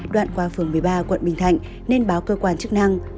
đoạn qua phường một mươi ba quận bình thạnh nên báo cơ quan chức năng